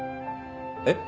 えっ？